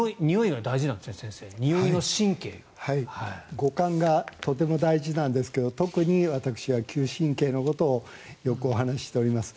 五感がとても大事ですが特に私は嗅神経のことをよくお話しております。